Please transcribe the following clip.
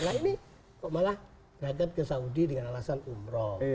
nah ini kok malah beradab ke saudi dengan alasan umroh